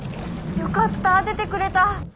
よかった！出てくれた！